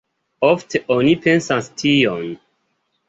Ofte oni pensas tion.